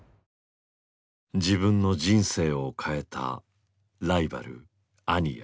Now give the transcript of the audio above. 自分の人生を変えたライバル安仁屋。